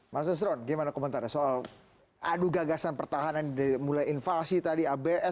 mas sesteron bagaimana komentar soal adu gagasan pertahanan mulai infasi tadi abs